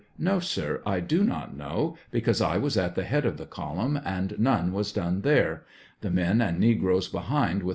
No, sir; I do not know, because I was at the head of the column, and none was done there; the men and negroes behind with